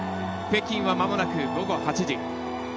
北京は、まもなく午後８時。